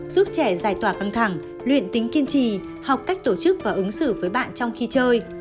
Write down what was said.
giúp trẻ giải tỏa căng thẳng luyện tính kiên trì học cách tổ chức và ứng xử với bạn trong khi chơi